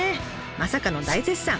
まさかの大絶賛！